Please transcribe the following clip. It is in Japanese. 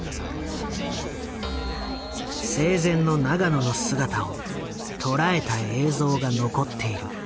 生前の永野の姿を捉えた映像が残っている。